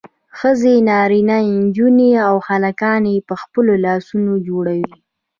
ښځې نارینه نجونې او هلکان یې په خپلو لاسونو جوړوي.